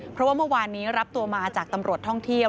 เพราะว่าเมื่อวานนี้รับตัวมาจากตำรวจท่องเที่ยว